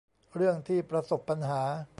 เรื่องที่ประสบปัญหา